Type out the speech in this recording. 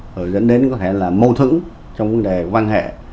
rồi dẫn đến có thể là mâu thuẫn trong vấn đề quan hệ